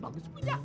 mari kita masuk